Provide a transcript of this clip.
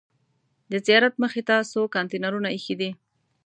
د زیارت مخې ته څو کانتینرونه ایښي دي.